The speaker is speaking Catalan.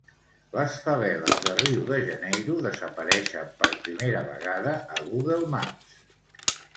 Les faveles de Rio de Janeiro desapareixen per primera vegada a Google Maps.